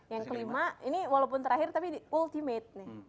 yang kelima ini walaupun terakhir tapi ultimate nih